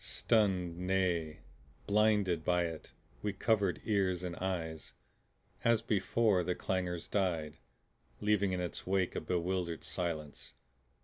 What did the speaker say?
Stunned, nay BLINDED, by it, we covered ears and eyes. As before, the clangor died, leaving in its wake a bewildered silence.